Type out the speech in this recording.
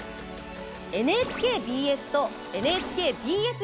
ＮＨＫＢＳとＮＨＫＢＳ